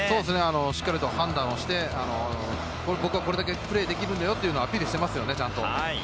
しっかり判断して、これだけプレーできるんだよというのをちゃんとアピールしていますよね。